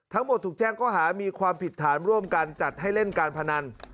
ถูกแจ้งก็หามีความผิดฐานร่วมกันจัดให้เล่นการพนัน